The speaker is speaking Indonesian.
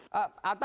ya bukan apa